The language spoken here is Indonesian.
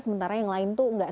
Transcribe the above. sementara yang lain tuh nggak